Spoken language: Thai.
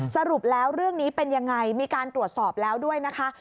สรุปแล้วเรื่องนี้เป็นยังไงมีการตรวจสอบแล้วด้วยนะคะ